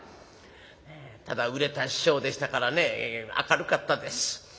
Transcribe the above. ただ売れた師匠でしたからね明るかったです。